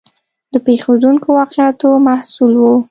د پېښېدونکو واقعاتو محصول و.